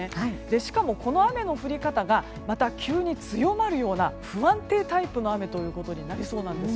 しかもこの雨の降り方がまた急に強まるような不安定タイプの雨となりそうなんです。